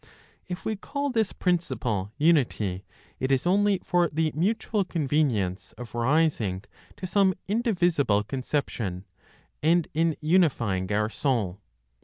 If we call this principle Unity, it is only for the mutual convenience of rising to some indivisible conception, and in unifying our soul.